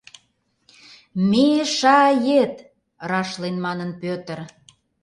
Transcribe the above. — Ме-ша-ет!.. — рашлен манын Пӧтыр.